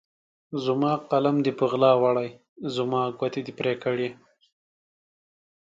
زما قلم دې په غلا وړی، زما ګوتې دي پرې کړي